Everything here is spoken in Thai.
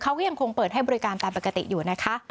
เขาก็ยังคงเปิดให้บริการตามปกติอยู่นะคะ